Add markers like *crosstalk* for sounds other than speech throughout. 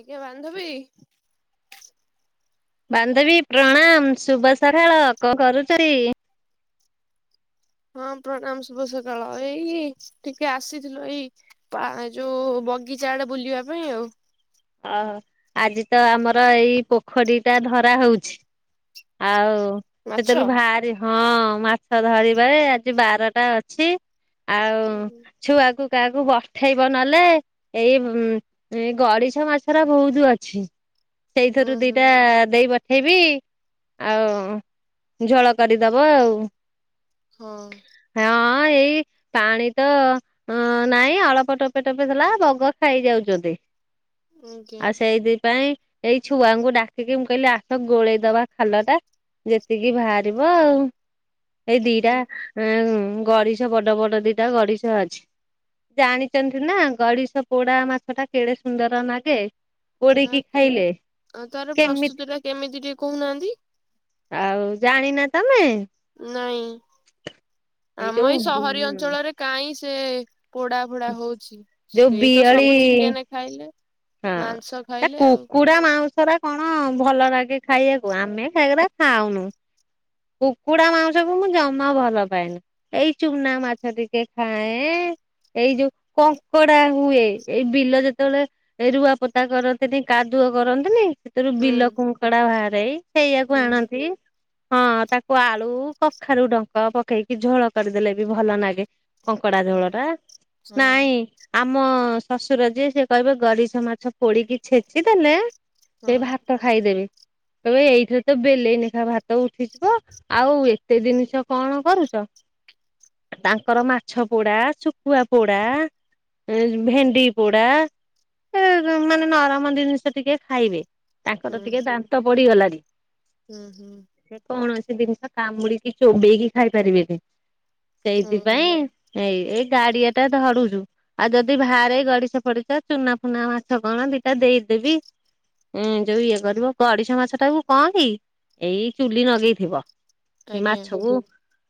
ଆଜ୍ଞା ବାନ୍ଧବୀ ବାନ୍ଧବୀ ପ୍ରଣାମ ଶୁଭ ସକାଳ କଣ କରୁଛ କି ହଁ ପ୍ରଣାମ ଶୁଭ ସକାଳ ଏଇ ଟିକେ ଆସିଥିଲୁ ଏଇ ପା ଯୋଉ ବଗିଚା ଆଡ଼େ ବୁଲିବା ପାଇଁ ଆଉ ଆ ଆଜି ତ ଆମର ଏଇ ପୋଖରୀ ଟା ଧରା ହଉଛି। ଆଉ ମାଛ ସେଥିରୁ ଭାରି ହଁ ମାଛ ଧରିବାରେ ଆଜି ବାରଟା ଅଛି। ଆଉ ଉହୁଁ ଛୁଆକୁ କାହାକୁ ବଠେଇବ ନହେଲେ ଏଇ ଉ-ଉ ଉମ୍ ଗଡିଶା ମାଛ ରା ବହୁତ ଅଛି। ହୁଁ ସେଇଥିରୁ ହୁଁ ଦିଟା ଦେଇ ପଠେଇବି। ଆଉ-ଉ-ଉ ଝୋଳ କରିଦବ ଆଉ। ହଁ। ହଁ ଏଇ ପାଣି ତ ଅ ନାଇଁ ଅଳ୍ପ ଟୋପେ ଟୋପେ ଥିଲା ବଗ ଖାଇଯାଉଛନ୍ତି। ଆଜ୍ଞା ଆଉ ସେଇଥିପାଇଁ ଏଇ ଛୁଆଙ୍କୁ ଡାକିକି ମୁଁ କହିଲି ଆସ ଗୋଳେଇ ଦବା ଖାଲ ଟା ଯେତିକି ବାହାରିବ ଆଉ ଏଇ ହୁଁ ଦିଟା ହୁଁ ଅ-ଅ-ଅ ଗଡିଶ ବଡ ବଡ ଦିଟା ଗଡିଶ ଅଛି। ଜାଣିଛନ୍ତି ନା ଗଡିଶ ପୋଡା ମାଛ ଟା କେଡେ ସୁନ୍ଦର ଲାଗେ। ହ ପୋଡିକି କି ଖାଇଲେ ଆଉ ତାର କେମିତି ପ୍ରସ୍ତୁତି ଟା କେମିତି ଟିକେ କହୁନାହା ଆଉ ଜାଣିନ ତମେ ନାଇଁ ଆମ ଏଇ ସହରୀ ଅଞ୍ଚଳରେ କାହିଁ ସେ ପୋଡା ଫୋଡା ହଉଛି ଯୋଉ ସେଇ ତ ବିଅଳି ସବୁ ଚିକେନ ଖାଇଲେ ମାଂସ ହଁ ଖାଇଲେ ଆଉ କୁକୁଡ଼ା ମାଉସର କଣ ଭଲ ଲାଗେ ଖାଇବାକୁ ଆମେ ହେଇଗରା ଖାଉନୁ। କୁକୁଡା ମାଉଂସକୁୁ ମୁଁ ଜମା ଭଲ ପାଏନି। ଏଇ ଚୁନା ମାଛ ଟିକେ ଖାଏ। ଏଇ ଯୋଉ କଙ୍କଡା ହୁଏ, ଏଇ ବିଲ ଯେତେବେଳେ ଏ ରୁଆ ପୋତା କରନ୍ତିନି କାଦୁଅ କରନ୍ତିନି ସେଥିରୁ ହୁଁ ବିଲ କୁଙ୍କଡା ବାହାରାଇ। ସେଇଆକୁ ହୁଁ ଆଣନ୍ତି। ହଁ ତାକୁ ଆଳୁ, କଖାରୁ, ଡଙ୍କ ପକେଇକି ଝୋଳ କରିଦେଲେ ବି ଭଲ ଲାଗେ କଙ୍କଡା ଝୋଳ ହଁ ଟା ହଁ ନାଇଁ ଆମ ଶଶୁର ଯିଏ ସିଏ କହିବେ ଗରି ମାଛ ପୋଡିକି ଛେଚି ଦେଲେ ହଁ ସେ ଭାତ ଖାଇଦେବେ। ଏବେ ଏଇଠରେ ତ ବେଲେଇ ନେଖା ଭାତ ଉଠିଯିବ ଆଉ ଏତେ ଜିନିଷ କଣ କରୁଛ। ତାଙ୍କର ମାଛ ପୋଡା, ଶୁଖୁଆ ପୋଡା ଏ ଯ ଭେଣ୍ଡି ପୋଡା। ଉ ମାନେ ନରମ ଜିନିଷ ଟିକେ ଖାଇବେ ହୁଁ ତାଙ୍କର ଟିକେ ଦାନ୍ତ ପଡିଗଲାଣି। ହୁଁ ହୁଁ। ସେ କୌଣସି ଜିନିଷ କାମୁଡିକି ଚୋବେଇକି ଖାଇ ପାରିବେନି ହୁଁ ହୁଁ ସେଇଥିପାଇଁ ଏଇ ଏଇ ଗାଡିଆ ଟା ଧଡରୁଛୁ ଆଉ ଯଦି ବାହାରେ ଗଡିସା ଫଡିସା ଚୁନା ନା ମାଛ କଣ ଦିଟା ଦେଇଦେବି ଉୁଁ ଯୋଉ ଇଏ କରିବ ଗଡିଶା ମାଛ ଟାକୁୁ କଣ କି ଏଇ ଚୁଲି ଲଗେଇଥିବ ସେ ଆଜ୍ଞା ମାଛକୁ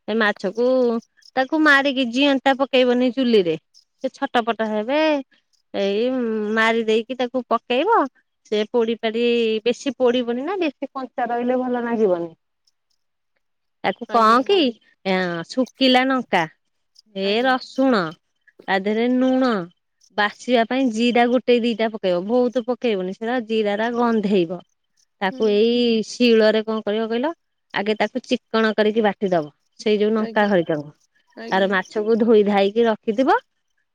ସେ ମାଛକୁ ତାକୁ ମାରିକି ଜିଅଣ୍ଟା ପକେଇବନି ଚୁଲିରେ ସେ ଛଟ ପଟ ହେବେ ଏଇ ମ୍-ମ୍ ମାରି ଦେଇକି ତାକୁ ପକେଇବ ସେ ପୋଡି ପାଡି ବେଶୀ ପୋଡିବନି ନା ବେଶୀ କଞ୍ଚା ରହିବ ଭଲ ଲାଗିବନି। ତାକୁ କଣ ଆଜ୍ଞା କି ଶୁଖିଲା ଲଙ୍କା, ଏ ଆଜ୍ଞା ରସୁଣ ତା ଧିରେ ନୁଣ ବାଛିବା ପାଇଁ ଜିରା ଗୋଟେ ଦିଟା ପକେଇବ ବହୁତ ପକେଇବନି ସେଟା ଜିରା ଟା ଗନ୍ଧେଇବ। ହୁଁ ତାକୁ ଏଇ-ଇ-ଇ-ଇ ଶିଳରେ କଣ କରିବ କହିଲ ଆଗେ ତାକୁ ଚିକଣ କରିକି ବାଟିଦବ। ସେଇ ଯୋଉ ନଙ୍କା ଆଜ୍ଞା ହରିକାଙ୍କୁ ତାର ଆଜ୍ଞା ମାଛକୁ ଧୋଇ ଧାଇକି ରଖିଥିବ।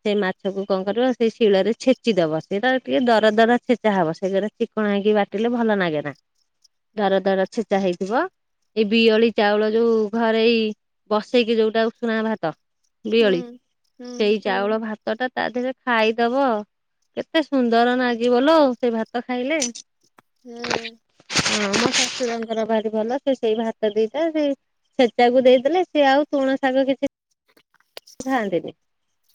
ସେଇ ମାଛ କ କଣ କରିବ ସେଇ ଶିଳରେ ଛେଚି ଦବ ସେଇଟା ଟିକେ ଦର ଦର ଛେଚା ହବ ସେଇଗୁଡା ଚି ଚିକଣକି ବାଟିଲେ ଭଲ ଲାଗେ ନା ଦର ଦର ଛେଚା ହେଇଥିବ ଏଇ ବିଅଳି ଚାଉଳ ଯୋଉ ଘରେଇ ବସେଇକି ଯୋଉଟାକୁ ଉଷୁନା ଭାତ ହୁଁ ବିୟଳି ହୁଁ ସେଇ ଚାଉଳ ଭାତ ଭାତ ଟା ତା ଦେହରେ ଖାଇଦବ କେତେ ସୁନ୍ଦର ଲାଗିବ ଲୋ ସେ ଭାତ ଖାଇଲେ। ହୁଁ ହଁ ମୋ ଶାଶୁର ଙ୍କର ଭାରି ଭଲ ସେ ସେଇ ଭାତ ଦେଇ ସେ ଛେଚାକୁ ଦେଇଦେଲେ ସେି ଆଉ ତୁଣ ଶାଗ କିଛି ଖାନ୍ତିିନି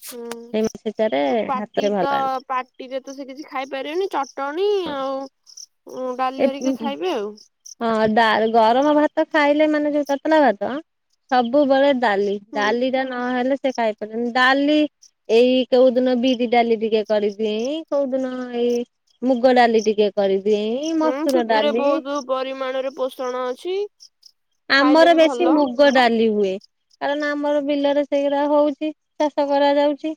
ହୁଁ ଆଉ ପାଟି ଭାତରେ ଭଲ ତ ପାଆନ୍ତି। ପାଟିରେ ତ ସେ କିଛି ଖାଇପାରିବେନି ଚଟଣୀ ଆଉ ଉଁ ଡାଲି ହେରିକା ଖାଇବେ ଆଉ। ଡ଼ା ଗରମ ଭାତ ଖାଇଲେ ମାନେ ଯୋଉ ତତଲା ଭାତ ସବୁବେଳେ ଡାଲି ହୁଁ ଡାଲି ଟା ନହେଲେ ସେ ଖାଇପାରିବନି ଡାଲି ଏଇ କୋଉ ଦିନ ବିରି ଡାଲି ଟିକେ କରିଦ କୋଉ ଦିନ ଏଇ ମୁଗ ଡାଲି ଟିକେ କରିିଦିଏ। ହୁଁ ସେଥିରେ ବହୁତ ପରିମାଣରେ ପୋଷଣ ଅଛି ଖାଇଲେ ଆମର ବି ବେଶୀ ଭଲ ମୁଗ ଡାଲି ହୁଏ। କାରଣ ଆମର ବିଲରେ ସେଇଗୁଡା ହଉଛି ଚାଷ କରାଯାଉଚି।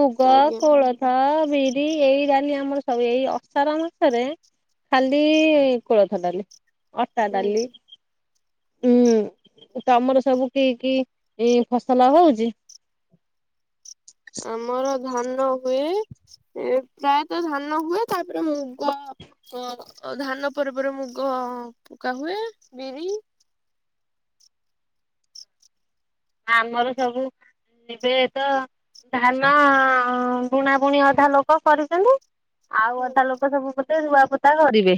ମୁଗ, ଆଜ୍ଞା କୋଳଥ ବିରି ଏଇ ଡାଲି ଆମର ସବୁ ଏଇ ଅସାର ମାସରେ ଖାଲି କୋଳଥ ଡାଲି ଅଟା ଡାଲି ଆଜ୍ଞା *inaudible* ତମର ସବୁ କି କି ଇ ଫସଲ ହଉଚି ଆମର ଧାନ ହୁଏ ଏ ପ୍ରାୟତଃ ଧାନ ହୁଏ ତାପରେ ମୁଗ ଓ ଧାନ ପରେ ପରେ ମୁଗ ପକା ହୁଏ। ବିରି ଆମର ସବୁ ଏବେ ତ ଧାନ ବୁଣାବୁଣି ଅଧା ଲୋକ କରିଚନ୍ତି। ଆଉ ଅଧା ଲୋକ ସବୁ ବୋଧେ ରୁଆପୋତା କରିବେ।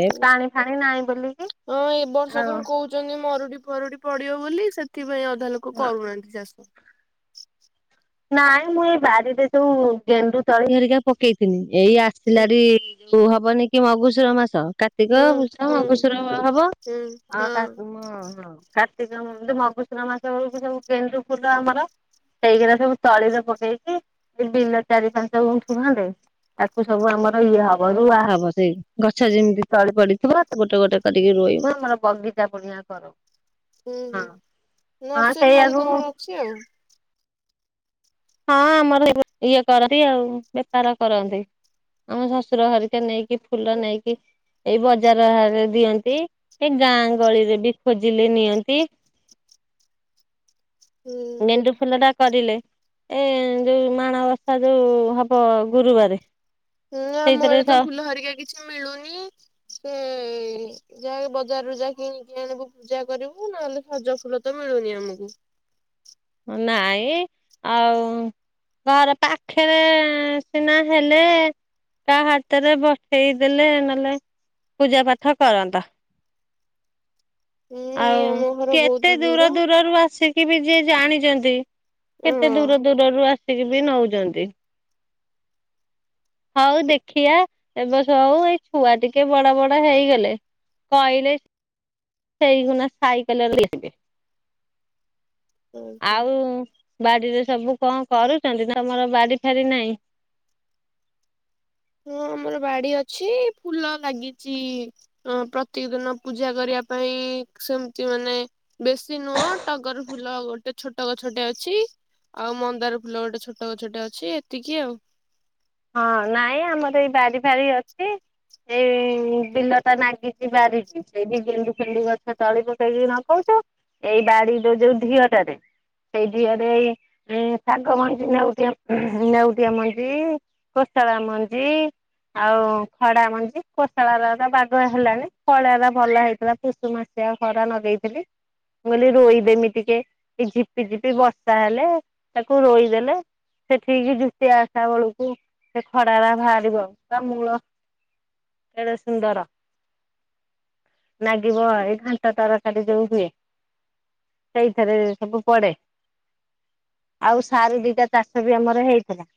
ଏ ପାଣି ଫାଣି ନାହିଁ ବୋଲିକି ଆଉ ମରୁଡ଼ି ପଡିବ ବୋଲି ସେଥିପାଇଁ ଅଧା ଲୋକ କରୁନାହାନ୍ତି ଚାଷ। ନାଇଁ ମୁଁ ଏଇ ବାରିରେ ସୋଉ ଗେଣ୍ଡୁ ତଳି ହେରିକା ପକେଇଥିଲି। ଏଇ ହୁଁ ଆସିଲାରେ *inaudible* ହବନି କି ମଗୁସୁର ମାସ। କାର୍ତ୍ତିକ, ହୁଁ ପୁଷ, ହୁଁ ମଗୁସୂର ହବ ଆ କା ହଁ ହଁ କାର୍ତ୍ତିକ ମଗୁସୁର ମାସ ବେଳକୁ ସବୁ ଗେଣ୍ଡୁ ଫୁଲ ଆମର ସେଇଗୁରା ସବୁ ତଳିରେ ପକେଇକି ବିଲ ଚାରି ପାଞ୍ଚ ଗୁଣ୍ଠୁ ଖଣ୍ଡେ ତାକୁ ସବୁ ଆମର ଇଏ ହବ ରୁଆ ହବ ସେଇ ଗଛ ଯେମିତି ତଳି ପଡିଥିବ ଗୋଟେ ଗୋଟେ କରିକି ରୁ ହୋଇବ ଆମର ବଗିଚା ପୁଣିଆ କର ହୁଁ ହୁଁ ନର୍ସରୀ ବୋଧେ ସେଇଆକୁ ତମର ଅଛି ଆଉ। ହଁ ଆମର ଏ *inaudible* ଇଏ କରନ୍ତି ଆଉ ବେପାର କରନ୍ତି। ଆମ ଶଶୁର ହେରିକା ନେଇକି ଫୁଲ ନେଇକି ଏଇ ବଜାର ଆରେ ଦିଅନ୍ତି, ଏ ଗାଁ ଗଳିରେ ବି ଖୋଜିଲେ ନିଅନ୍ତି। *inaudible* ଗେଣ୍ଡୁ ଫୁଲଟା କରିଲେ ଏ ଯୋଉ ମାଣବସା ଯୋଉ ହବ ଗୁରୁବାରେ ହୁଁ ଆମ ସେଇଥିରେ ଆଡେ ସ ତ ଫୁଲ ହରିକା କିଛି ମିଳୁନି ସେ ଯାହା ବଜାରରୁୁ ଯା କିଣିକି ଆଣିବୁ ପୂଜା କରିବୁ ନହେଲେ ସଜ ଫୁଲ ତ ମିଳୁନି ଆମକୁ। *inaudible* ନାଇଁ ଆଉ। ଘରେ ପାଖରେ ସିନା ହେଲେ ତା ହାତରେ ପଠେଇ ଦେଲେ ନହେଲେ ପୂଜା ପାଠ କରନ୍ତ। *inaudible* ନାଇଁ ଆଉ ଆମ ଘର ବହୁତ କେତେ ଦୂର ଦୂରରୁ ଆସିକି ବି ଯିଏ ଜାଣିଚନ୍ତି ହଁ କେତେ ଦୂର ଦୂରରୁ ଆସିକି ବି ନଉଚନ୍ତି। *inaudible* ହଉ ଦେଖିଆ ଏବେ ହଉ ଏଇ ଛୁଆ ଟିକେ ବଡ ବଡ ହେଇଗଲେ। କହଲେ ସେଇଗୁଣା ସାଇକଲରେ *inaudible* ଲଖିବେ। *inaudible* ଆଜ୍ଞା। ଆଉ। ବାଡିରେ ସବୁ କଣ କରୁଛନ୍ତି, ତ ତମର ବାଡି ଫେରି ନାହିଁ? ହଁ ଆମର ବାଡି ଅଛି ଫୁଲ ଲାଗିଛି ପ୍ରତ୍ୟେକ ଦିନ ପୂଜା କରିବା ପାଇଁ ସେମିତି ମାନେ ବେଶୀ ନୁହ ଟଗର ଫୁଲ ଗୋଟେ ଛୋଟ ଗଛଟେ ଅଛି। ଆଉ ମନ୍ଦାର ଫୁଲ ଗୋଟେ ଛୋଟ ଗଛ ଛୋଟ ଅଛି ଏତିକି ଆଉ। ହଁ ନାଇଁ ଆମର ଏଇ ବାରି ଫାରି ଅଛି। ଏଇ ବିଲ ଟା ନାଗିଛି ବାରିକୁ ସେଇଠି ଗେଣ୍ଡୁ ଫେଣ୍ଡୁ ଗଛ ତଳି ପକେଇକି ନଗଉଛୁ। ଏଇ ବାଡି ର ଯୋଉ ଢିଅଟାରେ। ସେଇଠିଆରେ ଉଁ ଶାଗ ମଞ୍ଜି ନେଉଆ ନେଉଟିଆ ମଞ୍ଜି। କସଲା ମଞ୍ଜି। ଆଉ ଖଡା ମଞ୍ଜି କୋଶଳ ର ଏକା ପାଗ ହେଲାନି ଖଳରେ ଭଲ ହେଇଥିଲା ପୁଷୁ ମାସ। ସେ ଖରା ନଗେଇଥିଲି। ମୁଁ କହିଲି ରୋଇଦେମି ଟିକେ ଏ ଝିପି ଝିପି ବର୍ଷା ହେଲେ ତାକୁ ରୋଇଦେଲେ ସେଠିକି ଜୁତି ଓସା ବେଳକୁ ସେ ଖଡା ରା ବାହାରିବ ତା ମୂଳ କେଡ଼େ ସୁନ୍ଦର। ଲାଗିବ ଏଇ ଘାଣ୍ଟ ତରକାରୀ ଯୋଉ ହୁଏ। ସେଇଥେରେ ସବୁ ପଡ଼େ ଆଉ ସାରୁ ଦିଟା ତାସ ବି ଆମର ହେଇଥିଲା।